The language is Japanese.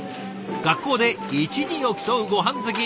学校で一二を競うごはん好き。